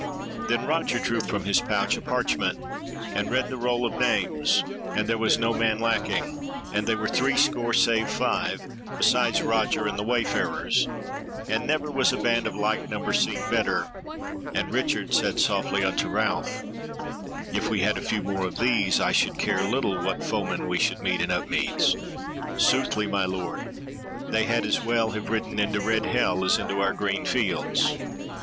Then Roger drew from his pouch a parchment, and read the roll of names, and there was no man lacking, and they were threescore save five, besides Roger and the way farers, and never was a band of like number seen better; and Richard said softly unto Ralph: "If we had a few more of these, I should care little what foemen we should meet in Upmeads: soothly, my lord, they had as well have ridden into red Hell as into our green fields."